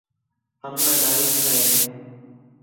ہم نالائق ہیے